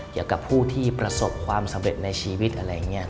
เกี่ยวกับผู้ที่ประสบความสำเร็จในชีวิตอะไรอย่างนี้